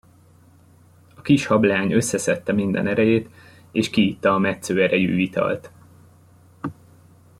A kis hableány összeszedte minden erejét, és kiitta a metsző erejű italt.